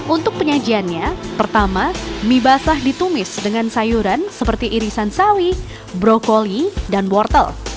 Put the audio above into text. untuk penyajiannya pertama mie basah ditumis dengan sayuran seperti irisan sawi brokoli dan wortel